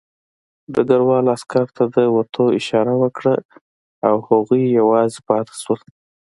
ډګروال عسکر ته د وتلو اشاره وکړه او هغوی یوازې پاتې شول